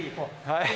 はい。